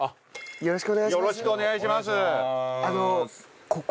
よろしくお願いします。